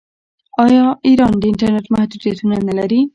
آیا ایران د انټرنیټ محدودیتونه نلري؟